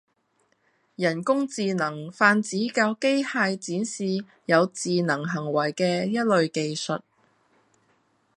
人工智能泛指教機械展示有智能行為嘅一類技術